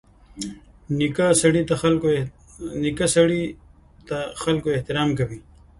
نیکه سړي ته خلکو احترام کوي.